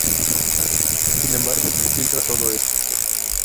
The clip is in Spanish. Sin embargo, su chip filtra todo esto.